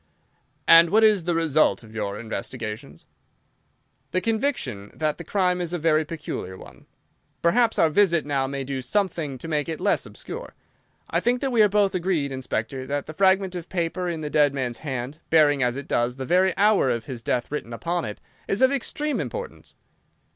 "And what is the result of your investigations?" "The conviction that the crime is a very peculiar one. Perhaps our visit now may do something to make it less obscure. I think that we are both agreed, Inspector that the fragment of paper in the dead man's hand, bearing, as it does, the very hour of his death written upon it, is of extreme importance."